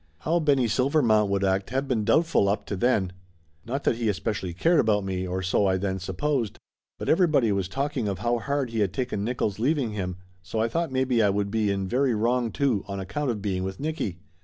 How Benny Silvermount would act had been doubt 218 Laughter Limited f ul up to then. Not that he especially cared about me, or so I then supposed, but everybody was talking of how hard he had taken Nickolls' leaving him, so I thought maybe I would be in very wrong, too, on ac count of being with Nicky.